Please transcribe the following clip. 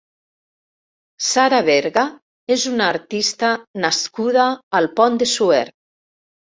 Sara Berga és una artista nascuda al Pont de Suert.